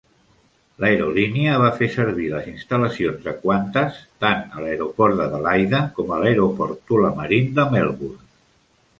L'aerolínia va fer servir les instal·lacions de Qantas, tant a l'aeroport d'Adelaida com a l'aeroport Tullamarine de Melbourne.